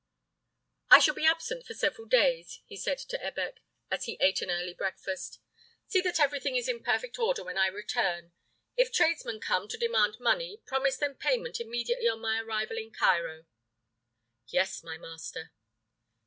"I shall be absent for several days," he said to Ebbek, as he ate an early breakfast. "See that everything is in perfect order when I return. If tradesmen come to demand money, promise them payment immediately on my arrival in Cairo." "Yes, my master."